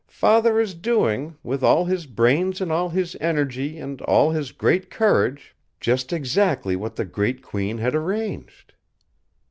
Father is doing, with all his brains and all his energy and all his great courage, just exactly what the great Queen had arranged!"